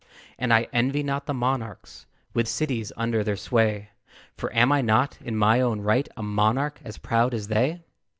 And I envy not the monarchs With cities under their sway; For am I not, in my own right, A monarch as proud as they?